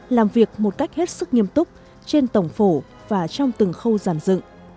làm việc một cách hết sức nghiêm túc trên tổng phổ và trong từng khâu giàn dựng